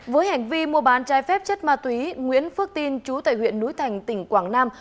với hành vi mua bán trái phép chất ma túy nguyễn phước tin chú tại huyện núi thành tỉnh quảng nam